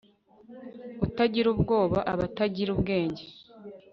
utagira ubwoba aba atagra ubwenge